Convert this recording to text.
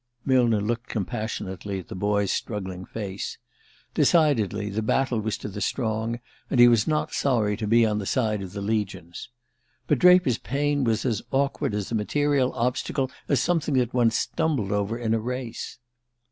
Millner looked compassionately at the boy's struggling face. Decidedly, the battle was to the strong, and he was not sorry to be on the side of the legions. But Draper's pain was as awkward as a material obstacle, as something that one stumbled over in a race.